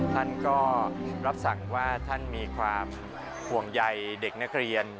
ท่านก็รับสั่งว่าท่านมีความห่วงใยเด็กนักเรียน